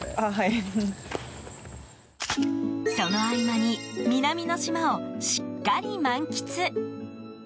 その合間に南の島をしっかり満喫。